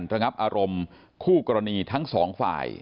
ระงับอารมณ์คู่กรณีทั้งสองฝ่าย